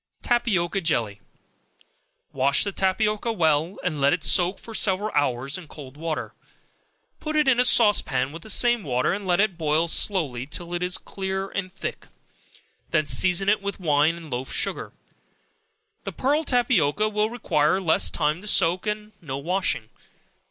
Tapioca Jelly. Wash the tapioca well, and let it soak for several hours in cold water; put it in a sauce pan with the same water, and let it boil slowly till it is clear and thick; then season it with wine and loaf sugar. The pearl tapioca will require less time to soak, and no washing.